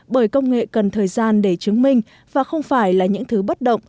bởi công nghệ cần thời gian để chứng minh và không phải là những thứ bất động